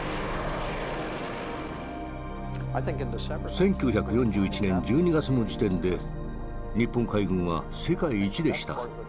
１９４１年１２月の時点で日本海軍は世界一でした。